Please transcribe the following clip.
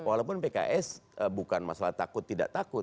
walaupun pks bukan masalah takut tidak takut